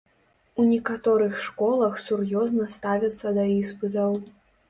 У некаторых школах сур'ёзна ставяцца да іспытаў.